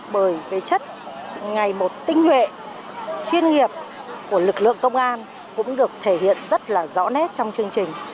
bởi cái chất ngày một tinh huệ chuyên nghiệp của lực lượng công an cũng được thể hiện rất là rõ nét trong chương trình